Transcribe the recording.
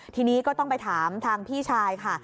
ทีนี้ก็ต้องไปถามทางพี่ชายค่ะ